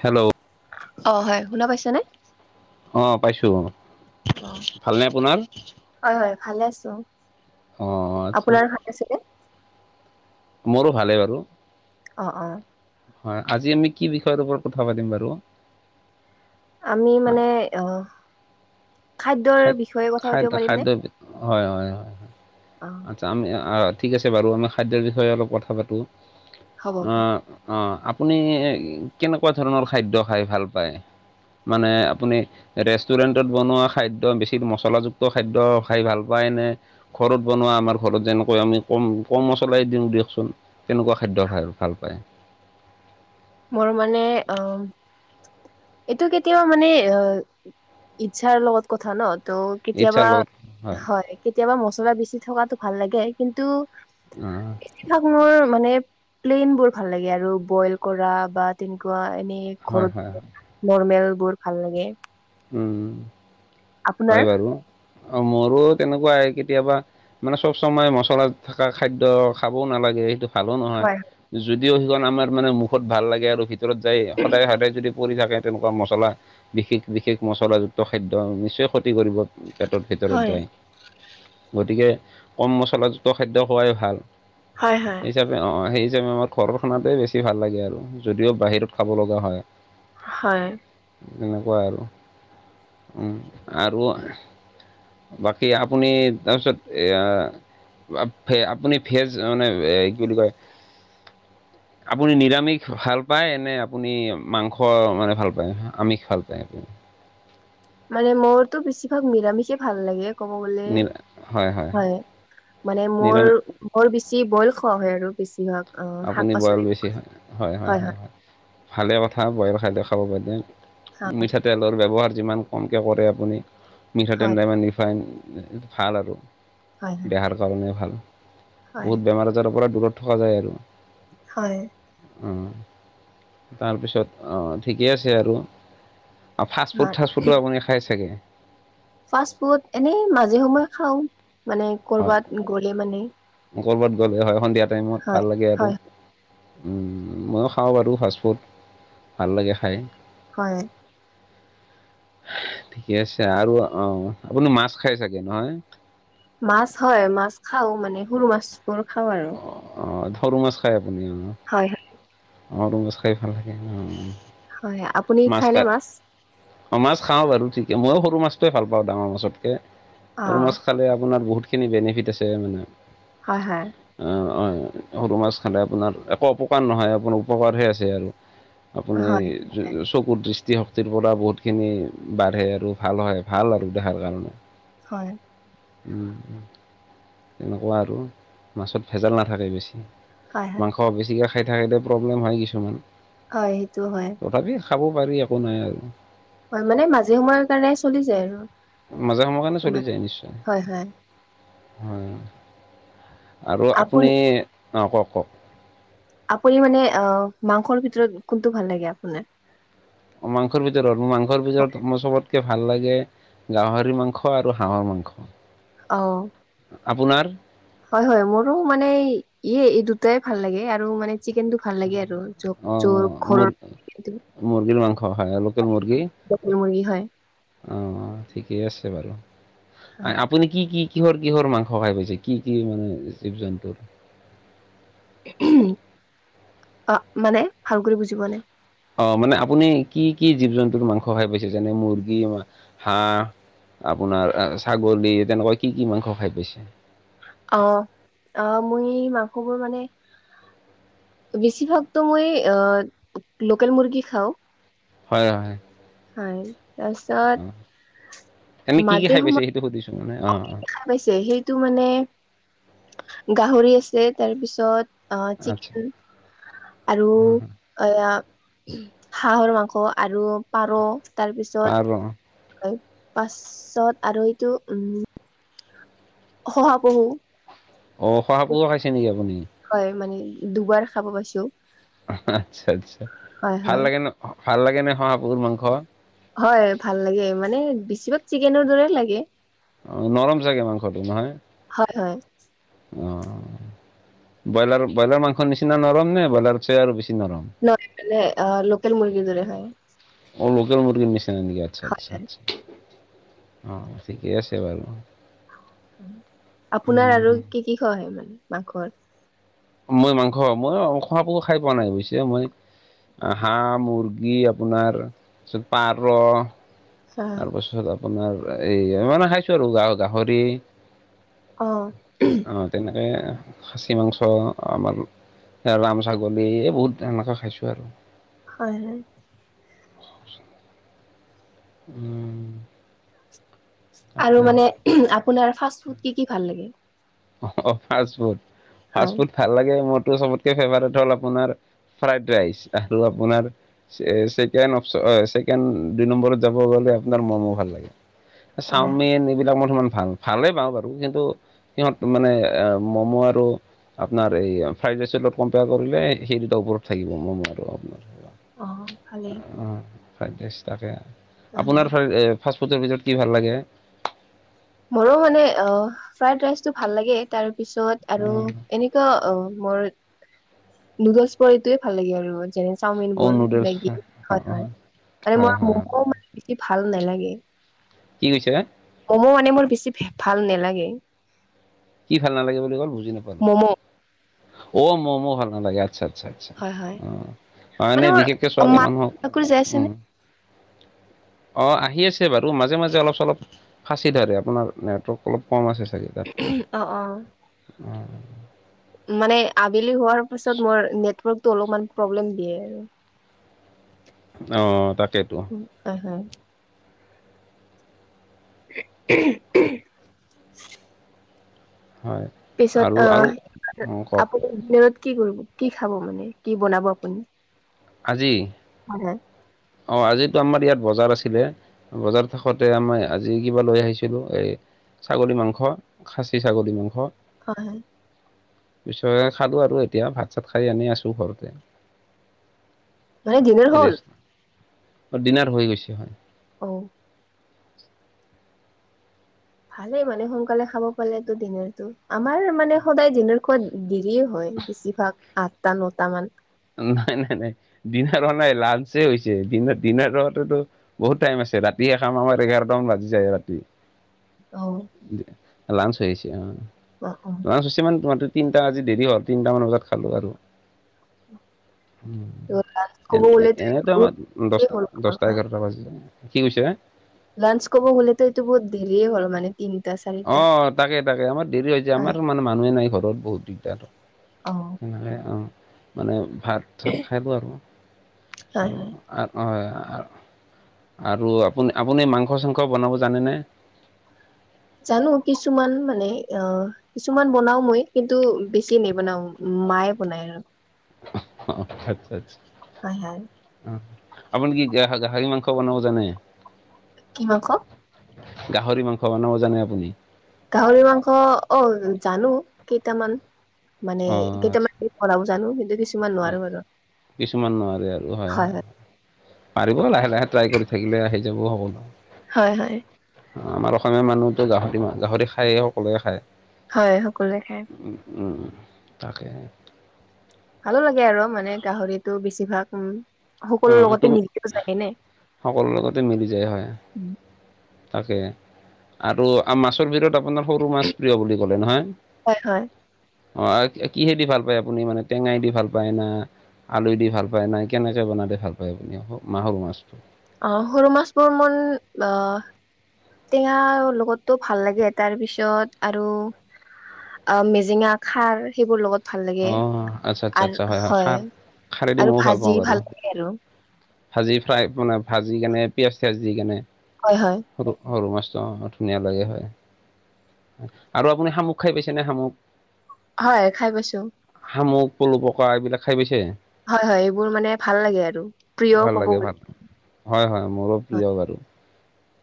Hello. অ' হয় শুনা পাইছা নে? অ' পাইছো অ ভালনে আপোনাৰ? হয়- হয় ভালে আছো অ আচ্ছা আপোনাৰ ভাল আছেনে? মোৰো ভালেই বাৰু। অ' অ' হয় আজি আমি কি বিষয়ৰ ওপৰত কথা পাতিম বাৰু? আমি খা- মানে এ ' খাদ্যৰ খাদ বিষয়ে কথা খাদ পাতিব খাদ্য পাৰিমনে হয় হয় হয় অ' আচ্ছা আমি অ ' ঠিক আছে বাৰু আমি খাদ্যৰ বিষয়ে অলপ কথা পাতিম হ'ব আ হ'ব। ' অ' আপুনি কেনেকুৱা ধৰণৰ খাদ্য খায় ভাল পায়? মানে আপুনি ৰেষ্টুৰেণ্টত বনোৱা খাদ্য। দ বেছি মছলাযুক্ত খাদ্য খাই ভাল পায় নে? ঘৰত বনোৱা আমাৰ ঘৰত যেনেকৈ আমি কম কম মছলাই দিওঁ দিয়কচোন তেনেকুৱা খাদ্য খায় ভাল পায়? মোৰ মানে অম এইটো কেতিয়াবা মানে অ ইচ্ছাৰ লগত কথা ন ত ইচ্ছাৰ কেতিয়াবা লগত হয় কেতিয়াবা মছলা বেছি থকাটো ভাল লাগে কিন্তু [unintelligible] চিধা ঘৰৰ মানে প্লেইন বোৰ ভাল লাগে আৰু বইল কৰা বা তেনেকুৱা এনে হয় হয় ঘৰত হয় নৰ্মেল বোৰ ভাল লাগে। উম আপোনাৰ হয় বাৰু অ মোৰো তেনেকুৱাই কেতিয়াবা মানে চব সময়ে মচলা থকা খাদ্য খাবও নালাগে সেইটো ভালো নহয় হয় যদিও সিখন আমাৰ মানে মুখত ভাল লাগে আৰু ভিতৰত যায় সদায় সদায় যদি পৰি থাকে তেনেকুৱা মছলা বিশেষ বিশেষ মচলাযুক্ত খাদ্য নিশ্চয় ক্ষতি কৰিব। পেটৰ ভিতৰত হয় যায়। গতিকে কম মছলাযুক্ত খাদ্য খোৱাই ভাল। হয় হয়। সেই অ হিচাপে সেই হিচাপে আমাৰ ঘৰৰ খানাতে বেছি ভাল লাগে আৰু যদিও বাহিৰত খাব লগা হয়। হয়। তেনেকুৱা আৰু ও আৰু বাকী আপুনি তাৰপিছত এয়া পোৰা ফে আপুনি ফেজ মানে কি বুলি কয় আপুনি নিৰামিষ ভাল পায় নে আপুনি মাংস মানে ভাল পায়? আমিষ ভাল পায় আপুনি‌? মানে মোৰ তো বেছিভাগ নিৰামিষে ভাল লাগে। ক'ব গলে হয় মানে মোৰ নিৰামিষ বৰ বেছি বইল খোৱা হয় আৰু বেছিভাগ অ' শাক আপুনি বইল পাচলি বেছি হয় হয় হয় হয় হয় ভালে কথা বইল খাদ্য খাব পাৰিলে। মিঠাতেলৰ ব্যৱহাৰ যিমান কমকৈ কৰে আপুনি মিঠাতেল হয় নাইবা ৰিফাইন ভাল আৰু হয় হয় দেহাৰ কাৰণে ভাল হয় বহুত বেমাৰ আজাৰৰ পৰা দূৰত থকা যায় আৰু। হয়। উ তাৰপিছত অ ঠিকে আছে আৰু। আৰু ফাষ্টফুড হয় ফাষ্টফুডো আপুনি খাই চাগে? ফাষ্ট ফুড এনেই মাজে সময়ে খাও মানে হয় কৰ'বাত গ'লে মানে। ক'ৰবাত গ'লে হয় সন্ধিয়া টাইমত হয় ভাল লাগে আৰু। হয় ময়ো খাওঁ বাৰু ফাষ্টফুড ভাল লাগে খাই। হয়। ঠিকে আছে আৰু অ আপুনি মাছ খাই চাগে নহয়। মাছ হয় মাছ খাও মানে সৰু মাছবোৰ খাওঁ আৰু। অ সৰু মাছ খায় আপুনি অ। হয় হ- অ সৰু মাছ খাই ভাল লাগে উ। হয় আপুনি খাইনে মাছ? অ মাছ খাওঁ বাৰু ঠিকে মইও সৰু মাছটোৱে ভাল পাওঁ ডাঙৰ মাছতকে। সৰু অ' মাছ খালে আপোনাৰ বহুত খিনি বেনিফিট আছে মানে। হয় হয়। অ সৰু মাছ খালে আপোনাৰ একো অপকাৰ নহয় আপোনাৰ উপকাৰহে আছে আৰু। আপুনি হয় চকু দৃষ্টিশক্তিৰ পৰা বহুত খিনি বাঢ়ে আৰু ভাল হয় ভাল আৰু দেহাৰ কাৰণে। হয়। উম উম। তেনেকুৱা আৰু মাছত ভেজাল নাথাকে বেছি হয় হয় মাংস বেছিকে খা- খাই থকা কীতা প্ৰব্লেম হয় কিছুমান। হয় সেইটো হয়। তথাপি খাব পাৰি একো নাই আৰু। হয়, মানে মাজে সময়ৰ কাৰণে চলি যায় আৰু। মাজে সময় কাৰণে চলি ইমান যায় নিশ্চয়, হয় হয় হয়। আৰু আপোন আপুনি অ', কওঁক-কওঁক। আপুনি মানে অ, মাংসৰ ভিতৰত কোনটো ভাল লাগে আপোনাৰ? মাংসৰ ভিতৰত? মোৰ মাংসৰ ভিতৰত মোৰ চবতকে ভাল লাগে গাহৰি মাংস আৰু হাঁহৰ মাংস। অ'। আপোনাৰ? হয়, হয় মোৰো মানে ইয়ে এই দুটাই ভাল লাগে আৰু মানে চিকেনটো ভাল লাগে আৰু য যোল অঁ ঘৰত মুৰ্গীৰ মাংস হয় লোকেল মুৰ্গী। লোকেল মুৰ্গী হয়। অ', ঠিকেই আছে বাৰু। আপুনি কি-কি কিহৰ-কিহৰ মাংস খাই পাইছে, কি-কি মানে জীৱ জন্তুৰ? অ, মানে, ভাল কৰি বুজি পোৱা নাই? অ', মানে আপুনি কি-কি জীৱ জন্তুৰ মাংস খাই পাইছে? যেনে মুৰ্গী, হাঁহ আপোনাৰ ছাগলী তেনেকুৱা কি-কি মাংস খাই পাইছে? অ', অ', মই মাংসবোৰ মানে বেছিভাগতো মই অ, লোকেল মুৰ্গী খাওঁ। হয়, হয়। হয়। তাৰপিছত অ, আমি কি-কি মাজে খাই পাইছে সময়ে সেইটো সুধিছোঁ মানে অ', অ'। পাইছে। সেইটো মানে গাহৰি আছে তাৰপিছত অ, আচ্ছা চিকেন আৰু এয়া হাঁহৰ মাংস আৰু পাৰ তাৰ পাৰ পিছত পাছত আৰু এইটো উম শহা পহু। অ', শহাপহু খাইছে নেকি আপুনি? হয় মানে দুবাৰ খাব পাইছোঁ। আচ্ছা-আচ্ছা ভাল হয় লাগে নে, ভাল লাগে নে শহাপহুৰ মাংস? হয় ভাল লাগে মানে বেছিভাগ চিকেনৰ দৰে লাগে। অ', নৰম চাগে মাংসটো নহয়? হয়, হয়। অ', ব্ৰইলাৰ-ব্ৰইলাৰ মাংসৰ নিচিনা নৰম নে ব্ৰইলাৰ চে আৰু বেছি নৰম? মনে অ, লোকেল মুৰ্গীৰ দৰে হয়। অ, লোকেল মূৰ্গীৰ নিচিনা নেকি, হয় হয় আচ্ছা-আচ্ছা-আচ্ছা। অ', ঠিকেই আছে বাৰু। আপোনাৰ আৰু উম, কি-কি খোৱা হয় মানে মাংসত? মই মাংস, মই শহা পহু খাই পোৱা নাই পিছে মই হাঁহ, মুৰ্গী আপোনাৰ তাৰপিছত পাৰ হয় তাৰপাছত আপোনাৰ এই মানে খাইছোঁ আৰু গ গাহৰি অ'। তেনেকে খাচী মাংস আমাৰ ৰাম ছাগলী এই বহুত এনেকুৱা খাইছোঁ আৰু। হয়, হয়। উম আৰু তাকে মানে আপোনাৰ ফাষ্ট ফুড কি-কি ভাল লাগে? অ ফাষ্ট ফুড ফাষ্ট হয় ফুড- ভাল লাগে মোৰতো চবতকে ফেভাৰেট হ'ল আপোনাৰ ফ্ৰাইড ৰাইচ আৰু আপোনাৰ- ছেকেণ্ড দুই নম্বৰত যাব গলে, আপোনাৰ মম ভাল লাগে। অ চাওমিন এইবিলাক মই ইমান ভাল ভালেই পাওঁ বাৰু কিন্তু- সিহঁত মানে এ ম'ম আৰু- আপোনাৰ এই ফ্ৰাইড ৰাইচৰ অলপ কম্পেয়াৰ কৰিলে সেই দুটা ওপৰত থাকিব ম'ম' আৰু আপোনাৰ। অ ভালেই অ ফাইড ৰাইচ তাকে, হয় হয় আপোনাৰ- ফাষ্টফুডৰ ভিতৰত কি ভাল লাগে? মোৰো মানে অ ফ্ৰাইড ৰাইচ টো ভাল লাগে তাৰপিছত আৰু অ' এনেকুৱা অ মোৰ। নুডলছ পটোৱে ভাল লাগে আৰু যেনে- চাওমিন অ' বোৰ নুডলছ মেগী হয় হয় মানে হয় মোৰ হয় মম' মানে বেছি ভাল নালাগে। কি কৈছা। মম মানে মোৰ বেছি ভাল নালাগে। কি ভাল নালাগে বুলি কলা বুজি নাপালো, ম'ম' অ ম'মো ভাল নালাগে আচ্ছা। অ আচ্ছা আচ্ছা হয় হয় অঁ মানে বিশেষকে ছোৱালী মা মানুহক চাকৰি যাই আছে নে উম- অঁ আহি আছে বাৰু মাজে মাজে অলপ চলপ- ফাঁচি ধৰে আপোনাৰ নেটৱৰ্ক অলপ কম আছে চাগে। তাত অঁ অঁ, মানে- আবেলি হোৱাৰ পাছত মই নেটৰ্কতটো অলপমান প্ৰব্লেম দিয়ে আৰু। অঁ তাকেইতো। হয় হয়। [unintelligible] হয় পিছত আৰু আৰু অঁ অঁ কওক আপুনি ডিনাৰত কি কৰিব কি খাব মানে কি বনাব আপুনি? আজি- হয়। অঁ আজিতো আমাৰ ইয়াত বজাৰ আছিলে। বজাৰ শেষতে আমি আজি কিবা লৈ আহিছিলো এই- ছাগলী মাংস খাচী ছাগলী মাংস- হয় হয়। পিছত খালো আৰু এতিয়া ভাত চাত খাই এনেই আছোঁ ঘৰতে। মানে ডিনাৰ হ'ল ৰেষ্ট ডিনাৰ হৈ গৈছে হয়। অ ভালেই মানে সোনকালে খাব পালেটো ডিনাৰটো আমাৰ মানে সদায় ডিনাৰ- দেৰি হয় বেছিভাগ আঠটা নটা মান- নাই নাই নাই ডিনাৰ হোৱা নাই লাঞ্চে হৈছে ডিনাৰ ডিনাৰ হেতু - বহুত টাইম আছে ৰাতি এশাম আমাৰ এঘাৰটা মান বাজি যায় ৰাতি। অঁ লানচ হৈছে অঁ - অ অ লাঞ্চ হৈছে মানে তোমাতটো তিনিটা আজি দেৰি হ'ল তিনটামান বজাত খালোঁ আৰু। উ ত' লাঞ্চ ক'ব এনে গ'লেতো এনেতো বহুত আমাৰ দেৰি দহটা হ'ল তোমাৰ দছটা পৰা। এঘাৰটা বাজি যাই, কি কৈছে? লাঞ্চ ক'ব গ'লেতো এইটো বহুত দেৰি হ'ল মানে। তিনটা চাৰিটা- অঁ তাকে তাকে আমাৰ দেৰি যায়, হয় আমাৰ মানে মানুহে নাই ঘৰত বহুত দিগদাৰ। অ তেনেকৈ অ মানে ভাত চাত খাইটো আৰু, হয় হয় আৰু- হয়, আৰু আপুনি আপুনি মাংস চাংস বনাব জানেনে? জানো কিছুমান মানে অঁ - কিছুমান বনাও মই কিন্তু বেছি নেবনাও মায়ে বনায় আৰু। আচ্ছা-আচ্ছা, হয়-হয়, আপুনি কি গাহৰি মাংস বনাব জানে? কি মাংস? গাহৰি মাংস বনাব জানে আপুনি? গাহৰি মাংস অ, জানো কেইটামান মানে অঁ আচ্ছা কেইটামান? বনাব জানো কিন্তু কিছুমান নোৱাৰো আৰু কিছুমান নোৱাৰে আৰু হয় হয়। হয়-হয়। পাৰিব লাহে-লাহে ট্ৰাই কৰি থাকিলে আহি যাব সকলো। হয়-হয়। অ, আমাৰ অসমীয়া মানুহতো গাহৰি মাংস গাহৰি খায় সকলোৱে খায়। হয়, সকলোৱে খায়। তাকে ভালো লাগে আৰু মানে গাহৰিতো বেছিভাগ উ সকলো লগতে মিলিও যায়ে নে। সকলোৰে লগতে মিলি যায়। হয়, তাকে আৰু মাছৰ ভিতৰত আপোনাৰ সৰু মাছ প্ৰিয় বুলি ক'লে নহয়? হয় হয়। অ, কিহে দি ভাল পায় আপুনি মানে টেঙাই দি ভাল পায় না, আলু দি ভাল পায় নাই কেনে? বনালে ভাল পায় আপুনি সৰু মাহ মাছটো। অ, সৰু মাছ বোৰ মন অ', টেঙা লগতটো ভাল লাগে। তাৰ পিছত আৰু অ, মেজেঙা খাৰ সেইবোৰ লগত। ভাল লাগে অ', আচ্ছা আচ্ছা আৰু আচ্ছা খাৰ হয় খাৰেদি আৰু ময়ো ভাজি পাওঁ বাৰু ভাল লাগে আৰু। ভাজি ফ্ৰাই মানে ভাজি কেনে পিয়ঁজ চিয়াজ দি কেনে। হয়-হয়। সৰু-সৰু মাছটো অ ধুনীয়া লাগে হয় আৰু আপুনি শামুক খাই পাইছেনে শামুক? হয়, খাই পাইছো। শামুক পলু পকা এইবিলাক খাই পাইছে? হয়-হয় এইবোৰ মানে ভাল লাগে আৰু প্ৰিয় কব গলে। হয়-হয় মোৰো হয় প্ৰিয় বাৰু।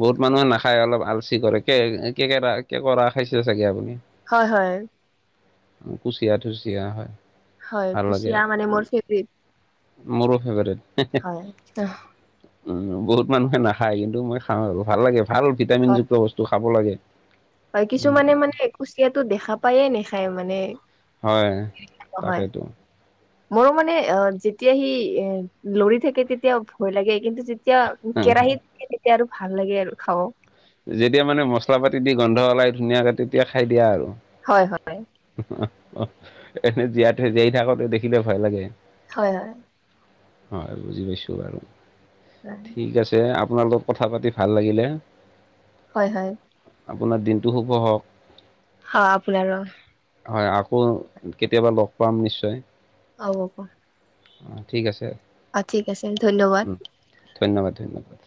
বহুত মানুহে নাখায় অলপ আলচি কৰে কে কেকেৰা কেঁকোৰা খাইছে চাগে আপুনি? হয়-হয়, কুচিয়া-কুচিয়া হয়। হয়, ভাল লাগে কুচিয়া মানে মোৰ ফেভৰেট। মোৰো ফেভৰেট। হয় উম, বহুত মানুহে নাখায় কিন্তু মই খাওঁ আৰু ভাল লাগে, ভাল হয় ভিটামিনযুক্ত বস্তু খাব লাগে। হয়, উম, কিছুমানে মানে কুচিয়াতো দেখা পায়ে নেখায় মানে। হয়, তাকেইতো। হয়। [unintelligible] মোৰো মানে অ, যেতিয়া সি এ লৰি থাকে, তেতিয়া ভয় লাগে কিন্তু যেতিয়া। কেৰাহীতে তেতিয়া আৰু ভাল লাগে আৰু খাব। যেতিয়া মানে মছলা পাতি দি গন্ধ ওলাই ধুনীয়াকে তেতিয়া খাই দিয়া আৰু। হয়-হয় এনে জীয়াই থ‌ই দিয়া কেইটা দেখিলে ভয় লাগে। হয়-হয়। হয়, বুজি পাইছোঁ বাৰু। উম [unintelligible] ঠিক আছে আপোনাৰ লগত কথা পাতি ভাল লাগিলে। হয়-হয়। আপোনাৰ দিনটো শুভ হওক। [unintelligible] হয়, আকৌ কেতিয়াবা লগ পাম নিশ্চয়। [unintelligible] অ', ঠিক আছে। অ', ঠিক আছে ধন্যবাদ। ধন্যবাদ-ধন্যবাদ।